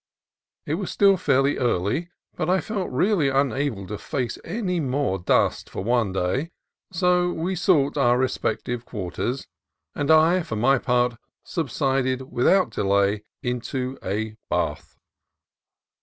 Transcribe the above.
It was still fairly early, but I felt really unable to face any more dust for one day. So we sought our respective quarters, and I, for my part, subsided without delay into a bath.